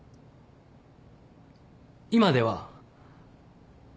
今では。